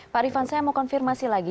pak rifan saya mau konfirmasi lagi